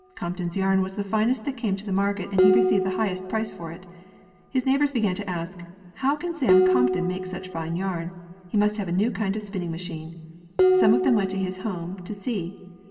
Crompton's yarn was the finest that came to the market, and he received the highest price for it. His neighbors began to ask, ''How can Sam Crompton make such fine yarn? He must have a new kind of spin ning machine." Some of them went to his home to see.